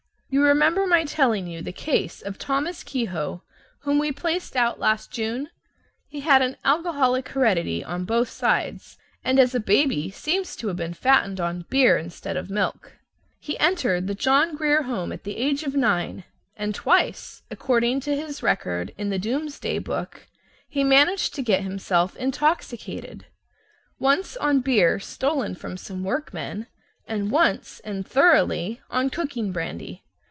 You remember my telling you the case of Thomas Kehoe, whom we placed out last June? He had an alcoholic heredity on both sides, and as a baby seems to have been fattened on beer instead of milk. He entered the John Grier at the age of nine, and twice, according to his record in the Doomsday Book, he managed to get himself intoxicated, once on beer stolen from some workmen, and once (and thoroughly) on cooking brandy.